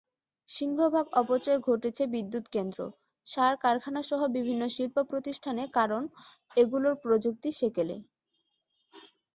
সিংহভাগ অপচয় ঘটছে বিদ্যুৎকেন্দ্র, সার কারখানাসহ বিভিন্ন শিল্পপ্রতিষ্ঠানে, কারণ এগুলোর প্রযুক্তি সেকেলে।